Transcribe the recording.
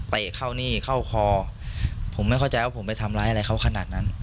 เข้านี่เข้าคอผมไม่เข้าใจว่าผมไปทำร้ายอะไรเขาขนาดนั้น